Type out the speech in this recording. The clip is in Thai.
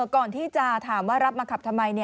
ก่อนที่จะถามว่ารับมาขับทำไม